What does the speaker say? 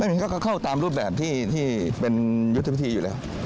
มันก็เข้าตามรูปแบบที่เป็นยุทธวิธีอยู่แล้ว